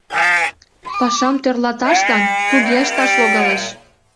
Пашам тӧрлаташлан туге ышташ логалеш...